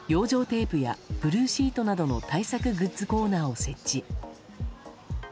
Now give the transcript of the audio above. テープやブルーシートなどの対策グッズコーナーを設置。